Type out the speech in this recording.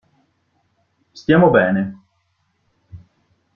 Stiamo bene.